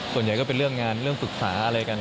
ส่วนใหญ่ก็เป็นเรื่องงานเรื่องปรึกษาอะไรกัน